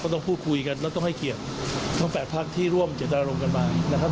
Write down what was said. ต้องพูดคุยกันแล้วต้องให้เกียรติทั้ง๘พักที่ร่วมเจตนารมณ์กันมานะครับ